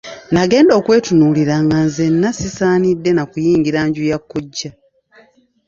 Nagenda okwetunuulira nga nzenna sisaanidde na kuyingira nju ya kkojja.